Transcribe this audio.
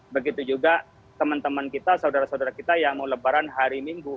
begitu juga teman teman kita saudara saudara kita yang mau lebaran hari minggu